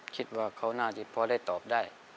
คิดว่าเขาน่าจะพอได้ตอบได้